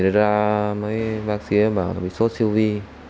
thì ra mấy bác sĩ bảo là bị sốt siêu vi